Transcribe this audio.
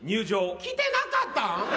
来てなかったん？